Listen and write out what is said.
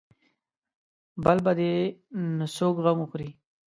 بل به دې نو څوک غم وخوري.